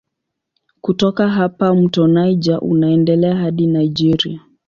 Kutoka hapa mto Niger unaendelea hadi Nigeria.